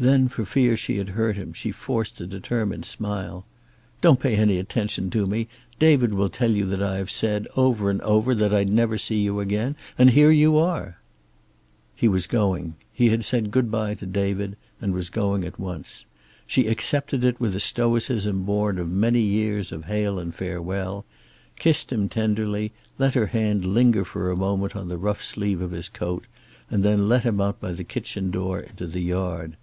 Then for fear she had hurt him she forced a determined smile. "Don't pay any attention to me. David will tell you that I have said, over and over, that I'd never see you again. And here you are!" He was going. He had said good bye to David and was going at once. She accepted it with a stoicism born of many years of hail and farewell, kissed him tenderly, let her hand linger for a moment on the rough sleeve of his coat, and then let him out by the kitchen door into the yard.